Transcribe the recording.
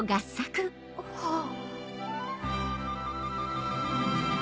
はぁ。